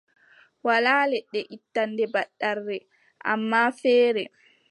Walaa leɗɗe ittanɗe ɓattarre, ammaa feere,